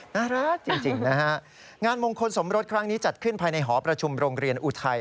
น่ารักจริงนะฮะงานมงคลสมรสครั้งนี้จัดขึ้นภายในหอประชุมโรงเรียนอุทัย